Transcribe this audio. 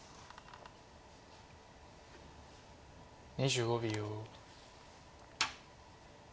２５秒。